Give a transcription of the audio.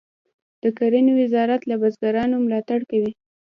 د کرنې وزارت له بزګرانو ملاتړ کوي